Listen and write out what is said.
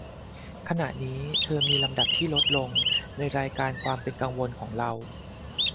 ขณะนี้เธอมีลำดับที่ลดลง ในรายการความเป็นกังวลของเรา